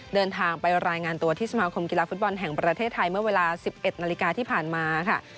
เดินทางไปรายงานตัวที่สมาคมกีฬาฟุตบอลแห่งประเทศไทยเมื่อเวลา๑๑นาฬิกาที่ผ่านมาค่ะ